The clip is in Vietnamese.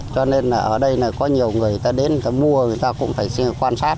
cho nên ở đây có nhiều người đến mua người ta cũng phải quan sát